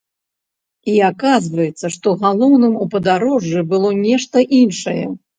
І аказваецца, што галоўным у падарожжы было нешта іншае.